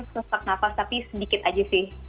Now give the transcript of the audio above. sesak nafas tapi sedikit aja sih